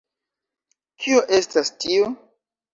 Kio estas tio??